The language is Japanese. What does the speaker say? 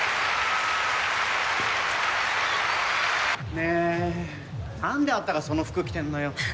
ねえ何であんたがその服着てんのよ。